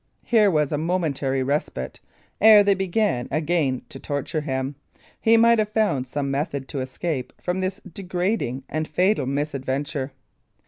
Here was a momentary respite; ere they began again to torture him, he might have found some method to escape from this degrading and fatal misadventure.